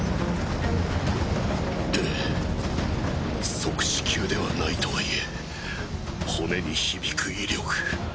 即死級ではないとはいえ骨に響く威力。